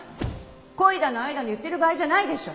恋だの愛だの言ってる場合じゃないでしょ！